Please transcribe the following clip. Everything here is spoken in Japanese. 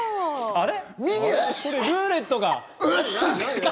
あれ？